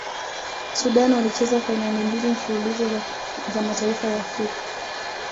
sudan walicheza fainali mbili mfululizo za mataifa ya afrika